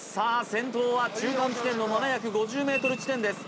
先頭は中間地点の７５０ｍ地点です